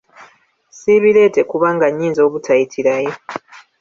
Siibireete kubanga nnyinza obutayitirayo.